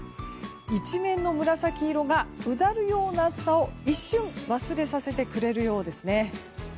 一面の紫色がうだるような暑さを一瞬忘れさせてくれるようですね。